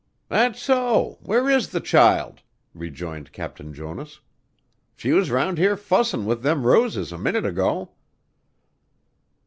"That's so! Where is the child?" rejoined Captain Jonas. "She was round here fussin' with them roses a minute ago."